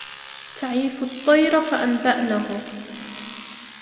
تعيف الطير فأنبأنه